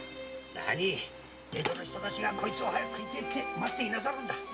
江戸の人たちがこいつを早く食いてぇと待っていなさる。